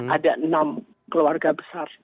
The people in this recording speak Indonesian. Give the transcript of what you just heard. ada enam keluarga besar